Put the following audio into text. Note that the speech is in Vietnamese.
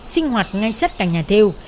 sinh hoạt ngay sách cạnh nhà thêu